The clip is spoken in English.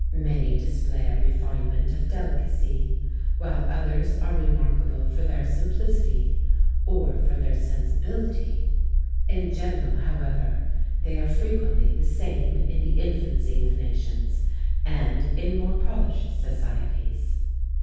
Many display a refinement of delicacy, while others are remarkable for their simplicity, or for their sensibility. In general, however, they are frequently the same in the infancy of nations, and in more polished societies.